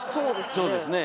そうですね。